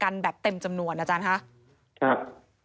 เงินประกันแบบแต่มจำนวนอาจารย์ครับ